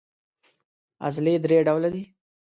عضلې درې ډوله دي.